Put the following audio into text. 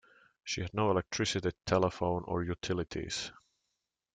She had no electricity, telephone or utilities.